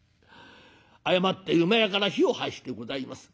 誤って厩から火を発してございます。